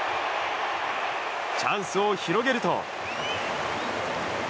チャンスを広げると。